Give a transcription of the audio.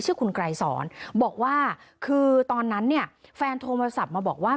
ชื่อคุณไกรสอนบอกว่าคือตอนนั้นเนี่ยแฟนโทรศัพท์มาบอกว่า